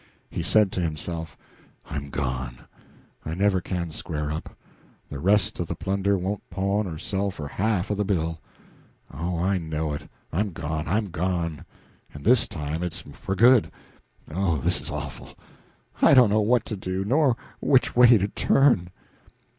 He said to himself: "I'm gone! I never can square up; the rest of the plunder won't pawn or sell for half of the bill. Oh, I know it I'm gone, I'm gone and this time it's for good. Oh, this is awful I don't know what to do, nor which way to turn!"